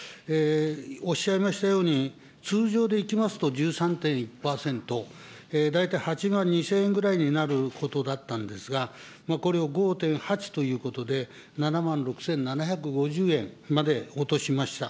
おっしゃいましたように、通常でいきますと、１３．１％、大体８万２０００円ぐらいになることだったんですが、これを５．８ということで、７万６７５０円まで落としました。